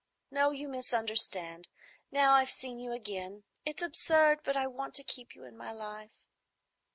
No, you misunderstand. Now I've seen you again,—it's absurd, but I want to keep you in my life."